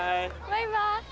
バイバイ。